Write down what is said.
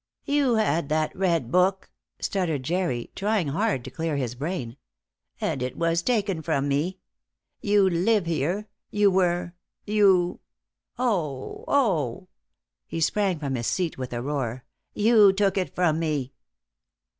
"You had that red book!" stuttered Jerry, trying hard to clear his brain. "And it was taken from me! You live here you were you, oh, oh!" He sprang from his seat with a roar. "You took it from me!"